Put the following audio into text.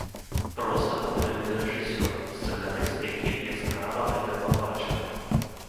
Проста патрэбны рэжысёр, сцэнарыст які б яскрава гэта пабачыў.